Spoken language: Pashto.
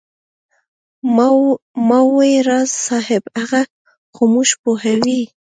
ما وې راز صاحب هغه خو موږ پوهوي.